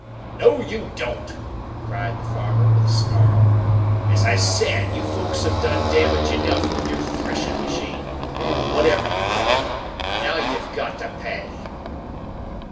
"No you don't!" cried the farmer, with a snarl. "As I said, you folks has done damage enough with your threshing machine, or whatever you call it. Now you've got to pay!"